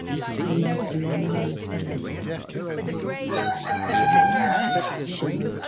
The knights are no longer necessarily poor, but are still military pensioners.